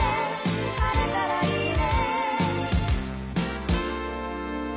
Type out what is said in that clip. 「晴れたらいいね」